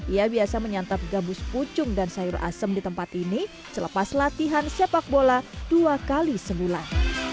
ia biasa menyantap gabus pucung dan sayur asem di tempat ini selepas latihan sepak bola dua kali sebulan